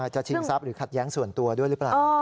ชิงทรัพย์หรือขัดแย้งส่วนตัวด้วยหรือเปล่า